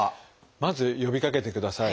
まず呼びかけてください。